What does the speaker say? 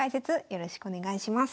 よろしくお願いします。